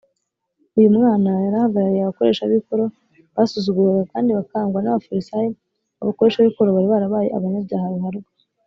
uyu mwana yari ahagarariye abakoresha b’ikoro, basuzugurwaga kandi bakangwa n’abafarisayo abakoresha b’ikoro bari barabaye abanyabyaha ruharwa